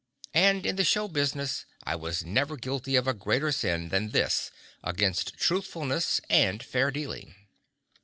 And in the show business I was never guilty of a greater sin than this against truthfulness and fair dealing.